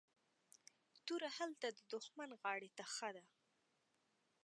توره هلته ددښمن غاړي ته ښه ده